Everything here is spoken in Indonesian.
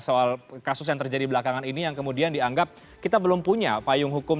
soal kasus yang terjadi belakangan ini yang kemudian dianggap kita belum punya payung hukum